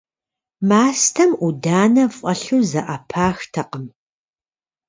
Мастэм Ӏуданэ фӀэлъу зэӀэпахтэкъым.